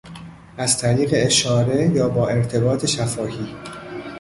از طریق اشاره یا با ارتباط شفاهی